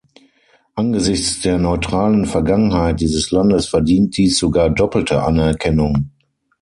Angesichts der neutralen Vergangenheit dieses Landes verdient dies sogar doppelte Anerkennung.